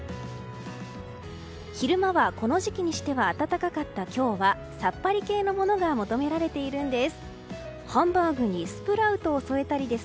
昼間は、この時期にしては暖かかった今日はさっぱり系のものが求められているんです。